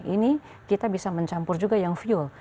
ini kita bisa mencampur juga yang fuel